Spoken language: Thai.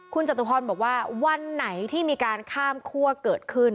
คุณจตุพรบอกว่าวันไหนที่มีการข้ามคั่วเกิดขึ้น